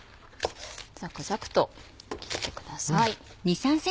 ザクザクと切ってください。